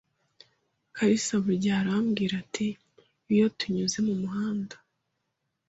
kalisa burigihe arambwira ati iyo tunyuze mumuhanda.